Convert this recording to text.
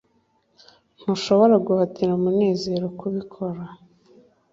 ntushobora guhatira munezero kubikora